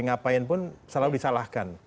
ngapain pun selalu disalahkan